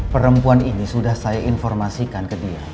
perempuan ini sudah saya informasikan ke dia